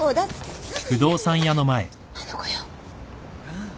ああ。